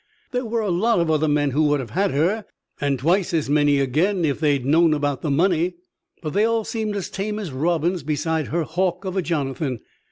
There were a lot of other men would have had her, and twice as many again, if they'd known about the money; but they all seemed as tame as robins beside her hawk of a Jonathan.